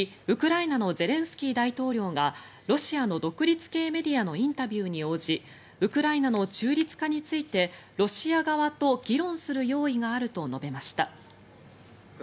ウクライナのゼレンスキー大統領がロシアの独立系メディアのインタビューに応じウクライナの中立化についてロシア側と議論する用意があると述べました。